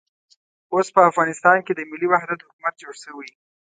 اوس په افغانستان کې د ملي وحدت حکومت جوړ شوی.